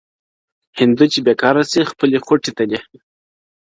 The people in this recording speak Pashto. o هندو چي بېکاره سي، خپلي خوټي تلي!